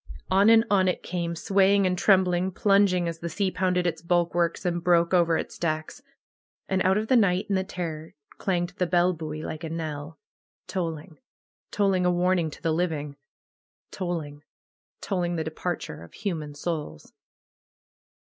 On and on it came ! swaying and trembling ; plung ing as the sea pounded its bulwarks and broke over 130 THE KNELL OF NAT PAGAN its decks. And out of tlie night and the terror clanged the bell buoy like a knell. Tolling ! Tolling a warning to the living ! Tolling ! Tolling the departure of hu man souls